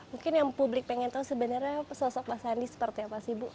mungkin yang publik pengen tahu sebenarnya sosok mas andi seperti apa sih bu